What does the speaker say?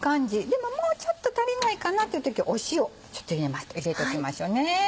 でももうちょっと足りないかなっていう時は塩ちょっと入れます入れときましょうね。